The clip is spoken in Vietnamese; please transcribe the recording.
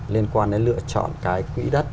liên quan đến lựa chọn cái quỹ đất